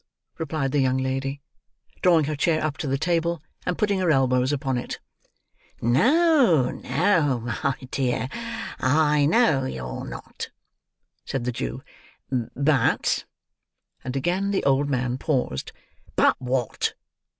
replied the young lady: drawing her chair up to the table, and putting her elbows upon it. "No, no, my dear, I know you're not," said the Jew; "but—" and again the old man paused. "But wot?"